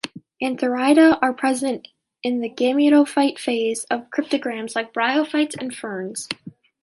Antheridia are present in the gametophyte phase of cryptogams like bryophytes and ferns.